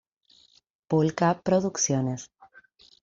Pol-Ka Producciones.